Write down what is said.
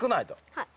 はい。